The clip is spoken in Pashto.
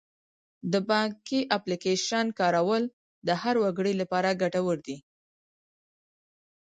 د بانکي اپلیکیشن کارول د هر وګړي لپاره ګټور دي.